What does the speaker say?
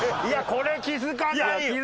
いやこれ気付かないよ。